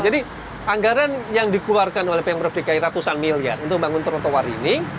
jadi anggaran yang dikeluarkan oleh pmrfdki ratusan miliar untuk membangun trotoar ini